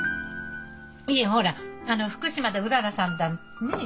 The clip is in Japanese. いえほらあの福島でうららさんだのねえ